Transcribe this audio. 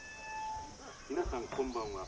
「皆さんこんばんは。